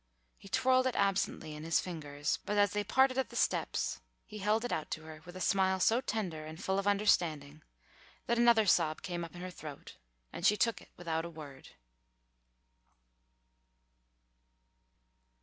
He twirled it absently in his fingers, but as they parted at the steps he held it out to her with a smile so tender and full of understanding, that another sob came up in her throat and she took it without a word.